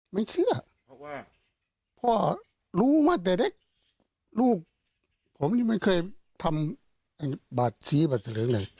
ไม่เชื่อเพราะว่าพ่อรู้มาตั้งแต่เด็กลูกผมยังไม่เคยทำบาดชี้บาดเสริงเลย